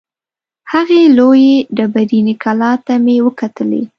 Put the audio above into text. هغې لویې ډبریني کلا ته مې وکتلې.